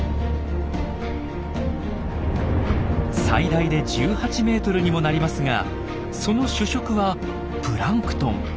最大で１８ｍにもなりますがその主食はプランクトン。